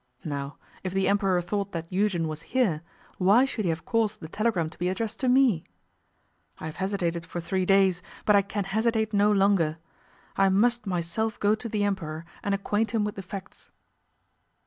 Now, if the Emperor thought that Eugen was here, why should he have caused the telegram to be addressed to me? I have hesitated for three days, but I can hesitate no longer. I must myself go to the Emperor and acquaint him with the facts.